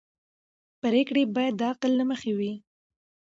پرېکړې باید د عقل له مخې وي